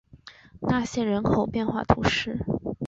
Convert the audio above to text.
纳谢人口变化图示